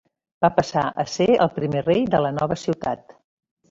Va passar a ser el primer rei de la nova ciutat.